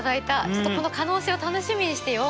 ちょっとこの可能性を楽しみにしてよ！